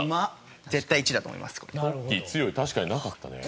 確かになかったね。